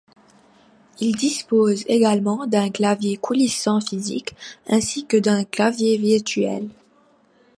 Il dispose également d'un clavier coulissant physique ainsi que d'un clavier virtuel.